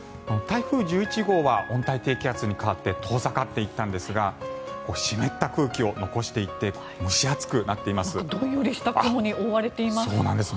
台風１１号は温帯低気圧に変わって遠ざかっていったんですが湿った空気を残していって蒸し暑くなっています。